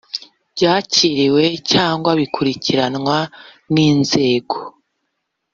byakiriwe cyangwa bikurikiranwa n inzego